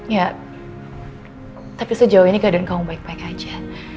ya tapi sejauh ini keadaan kamu baik baik aja